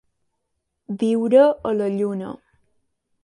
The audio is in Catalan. Viure a la lluna.